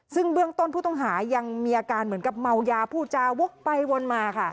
ซึ่งเบื้องต้นผู้ต้องหายังมีอาการเหมือนกับเมายาผู้จาวกไปวนมาค่ะ